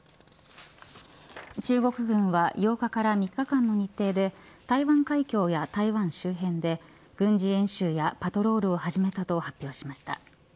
中国軍は８日から３日間の日程で台湾海峡や台湾周辺で軍事演習やパトロールを始めたと発表しました。